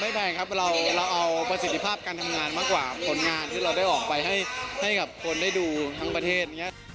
แพงครับเราเอาประสิทธิภาพการทำงานมากกว่าผลงานที่เราได้ออกไปให้กับคนได้ดูทั้งประเทศอย่างนี้